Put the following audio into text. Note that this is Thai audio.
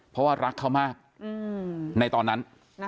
เพราะว่ารักเขามากในตอนนั้น